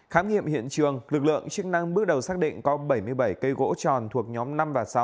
khám nghiệm hiện trường lực lượng chức năng bước đầu xác định có bảy mươi bảy cây gỗ tròn